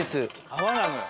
泡なのよ。